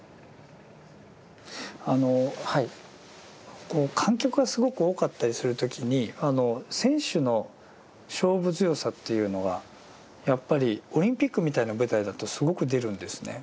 あの観客がすごく多かったりする時に選手の勝負強さというのがやっぱりオリンピックみたいな舞台だとすごく出るんですね。